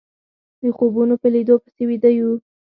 د خوبونو په ليدو پسې ويده يو